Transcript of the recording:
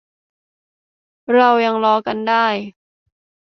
เรายังรอกันได้